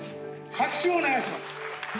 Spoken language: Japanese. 拍手をお願いします」。